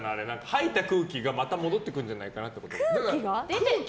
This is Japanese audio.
吐いた空気がまた戻ってくるんじゃないかなと思って。